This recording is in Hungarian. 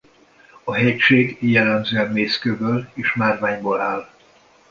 A hegység jellemzően mészkőből és márványból áll.